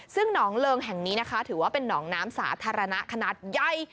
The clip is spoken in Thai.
ซึ่งหนองเริงแห่งนี้นะคะถือว่าเป็นหนองน้ำสาธารณะขนาดใหญ่